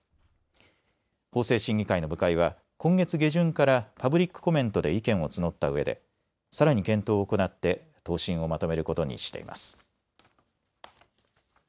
法制審議会の部会は今月下旬からパブリックコメントで意見を募ったうえでさらに検討を行って答申をまとめることにしています。